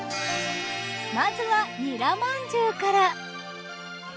まずはニラまんじゅうから。